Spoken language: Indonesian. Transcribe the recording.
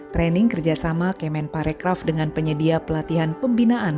training kerjasama kemen parekraf dengan penyedia pelatihan pembinaan